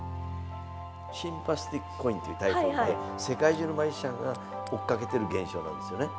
シンパセティックコインっていうタイトルで世界中のマジシャンが追っかけてる現象なんですよね。